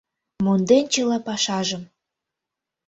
Монден чыла пашажым